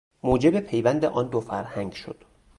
موجب پیوند آن دو فرهنگ شد.